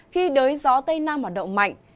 khi đới gió tây nam hoạt động mạnh